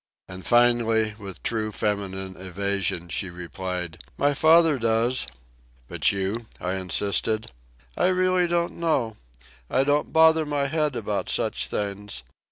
And finally, with true feminine evasion, she replied: "My father does." "But you?" I insisted. "I really don't know. I don't bother my head about such things.